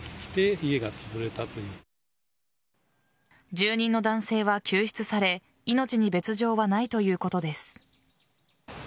住人の男性は救出され命に別条はないということです。